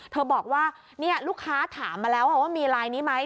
บอกว่าลูกค้าถามมาแล้วว่ามีลายนี้ไหม